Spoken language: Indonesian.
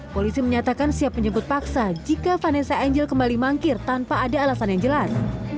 polisi menyatakan siap menyebut paksa jika vanessa angel kembali mangkir tanpa ada alasan yang jelas